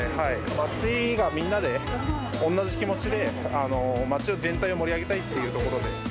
街がみんなで同じ気持ちで、街全体を盛り上げたいっていうところで。